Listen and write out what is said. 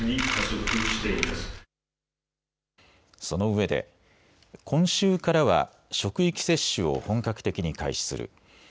その上で、今週からは、職域接種を本格的に開始する。